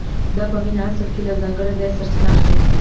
دا مینه په اصل کې له یو ځانګړي ځایه سرچینه اخلي